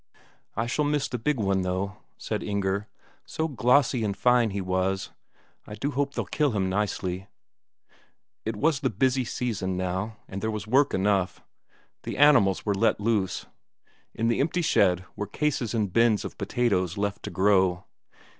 "I shall miss the big one, though," said Inger. "So glossy and fine he was. I do hope they'll kill him nicely." It was the busy season now, and there was work enough. The animals were let loose; in the empty shed were cases and bins of potatoes left to grow.